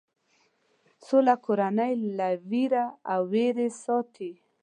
سوله کورنۍ له وېره او وېرې څخه ساتي.